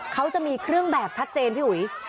เขาจะมีเครื่องแบบชัดเจนพี่อุ๋ย